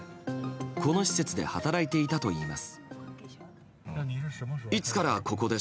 この施設で働いていたといいます。